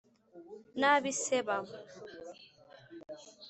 n ab i Seba